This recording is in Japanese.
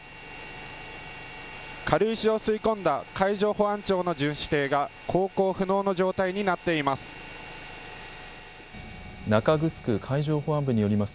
軽石を吸い込んだ海上保安庁の巡視艇が航行不能の状態になっています。